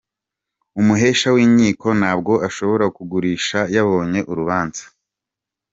Umuhesha w’ inkiko ntabwo ashobora kugurisha yabonye urubanza”.